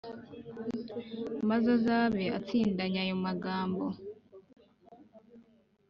maze azabe atsindanye ayo magambo.